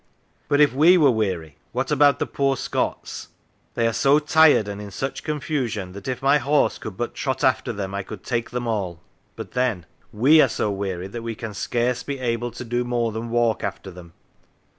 But if we were weary, what about the poor Scots ?" They are so tired, and in such confusion, that if my horse could but trot after them, I could take them all." But then " we are so weary that we can scarce be able to do more than walk after them